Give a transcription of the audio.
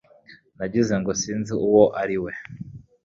Nagize ngo sinzi uwo ari we